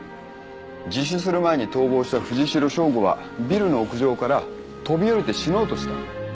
自首する前に逃亡した藤代省吾はビルの屋上から飛び降りて死のうとした。